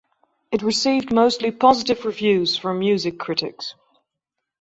It received mostly positive reviews from music critics.